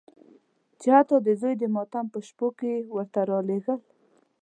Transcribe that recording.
چې حتی د زوی د ماتم په شپو کې یې ورته رالېږل.